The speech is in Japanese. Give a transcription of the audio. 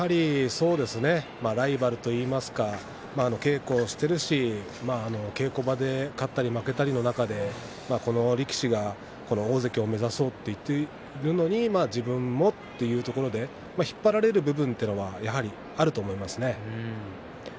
そうですねライバルといいますか稽古をしているし、稽古場で勝ったり負けたりの中でこの力士が大関を目指そうというふうに思っているので自分もと引っ張られる部分があると思いますね。